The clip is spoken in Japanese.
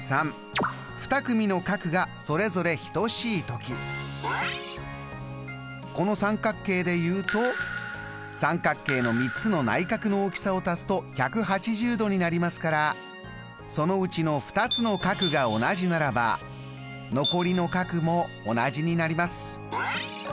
条件３この三角形で言うと三角形の３つの内角の大きさを足すと１８０度になりますからそのうちの２つの角が同じならば残りの角も同じになります。